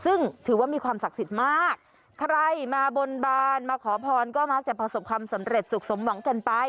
ซึ่งถือว่ามีความศักดิ์สิทธิ์มากใครมาบนบานมาขอพรก็มักจะประสบความสำเร็จสุขสมหวังกันไป